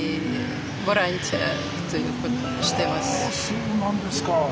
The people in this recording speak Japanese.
そうなんですか。